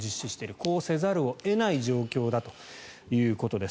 こうせざるを得ない状況だということです。